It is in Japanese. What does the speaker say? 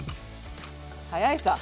早いさ。